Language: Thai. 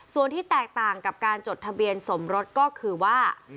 ส่วนที่แตกต่างกับการจดทะเบียนสมรสก็คือว่า